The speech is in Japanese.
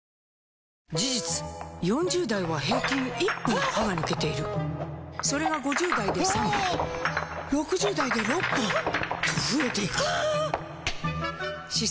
事実４０代は平均１本歯が抜けているそれが５０代で３本６０代で６本と増えていく歯槽